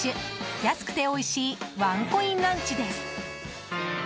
安くておいしいワンコインランチです。